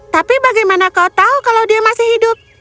tapi bagaimana kau tahu kalau dia masih hidup